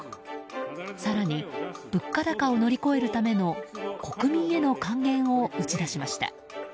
更に、物価高を乗り越えるための国民への還元を打ち出しました。